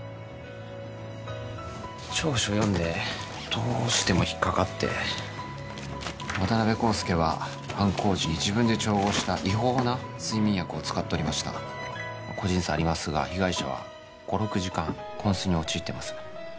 調書読んでどうしても引っかかって渡辺康介は犯行時に自分で調合した違法な睡眠薬を使っとりました個人差ありますが被害者は５６時間こん睡に陥ってます